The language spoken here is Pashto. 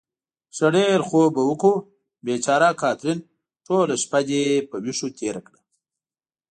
ښه ډېر خوب به وکړو. بېچاره کاترین، ټوله شپه دې په وېښو تېره کړه.